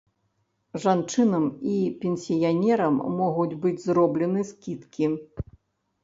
Жанчынам і пенсіянерам могуць быць зроблены скідкі.